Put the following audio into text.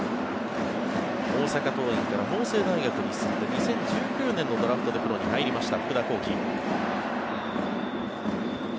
大阪桐蔭から法政大学に進んで２０１９年のドラフトでプロに入りました福田光輝。